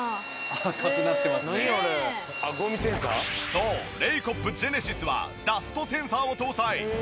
そうレイコップジェネシスはダストセンサーを搭載。